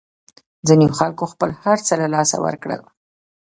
ځینو خلکو خپل هرڅه له لاسه ورکړل.